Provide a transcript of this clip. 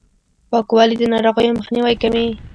پاکوالي، د ناروغیو مخنیوی کوي.